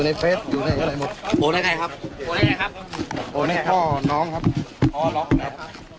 โอนให้พ่อน้องครับพ่อล้อมครับ